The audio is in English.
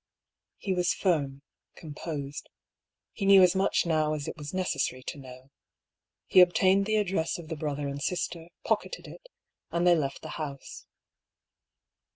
He was firm, composed. He knew as much now as it was necessary to know. He obtained the address of the brother and sister, pocketed it, and they left the house.